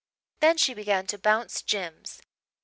"Then she began to bounce Jims.